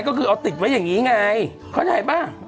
ก็คือเอาติดไว้อย่างนี้ไงเข้าใจป่ะ